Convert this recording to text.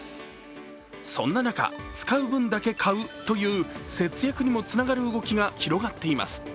そんな中、使う分だけ買うという節約にもつながる動きが広がっています。